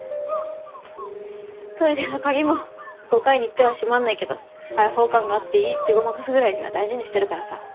トイレの鍵も５回に１回は閉まんないけど開放感があっていいってごまかすぐらいには大事にしてるからさ。